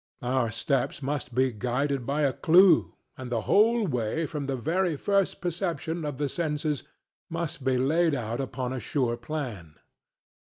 Our steps must be guided by a clue, and the whole way from the very first perception of the senses must be laid out upon a sure plan.